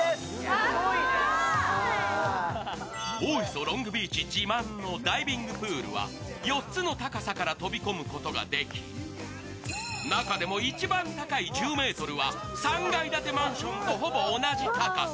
大磯ロングビーチ自慢のダイビングプールは４つの高さから飛び込むことができ、中でも一番高い１０ｍは３階建てマンションとほぼ同じ高さ。